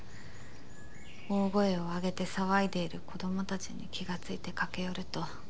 大声をあげて騒いでいる子どもたちに気がついて駆け寄ると。